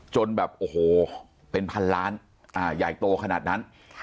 จนแบบโอ้โหเป็นพันล้านใหญ่โตขนาดนั้น